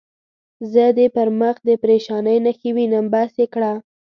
زه دې پر مخ د پرېشانۍ نښې وینم، بس یې کړه.